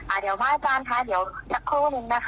เดี๋ยวพระอาจารย์ค่ะเดี๋ยวสักครู่นึงนะคะ